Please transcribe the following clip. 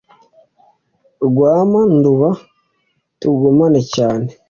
rwama nduba tugumane cyane